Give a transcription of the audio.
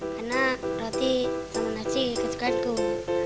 karena roti sama nasi kecekan tuh